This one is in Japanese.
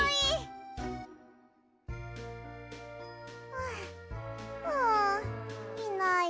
ふううんいない。